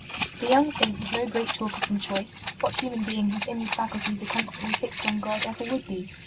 The young Saint was no great talker from choice what human being whose inward faculties are constantly fixed on God ever would be